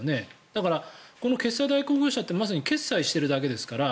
だから、決済代行業者ってまさに決済してるだけですから